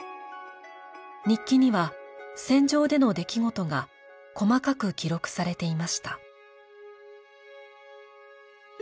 日記には戦場での出来事が細かく記録されていました。